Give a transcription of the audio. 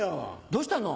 どうしたの？